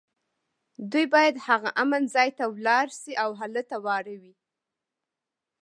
دوی باید هغه امن ځای ته ولاړ شي او هلته واړوي